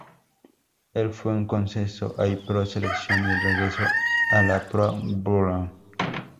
Él fue un consenso All-Pro selección y regresó a la Pro Bowl.